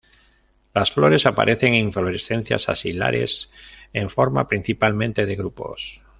Las flores aparecen en inflorescencias axilares en forma principalmente de grupos.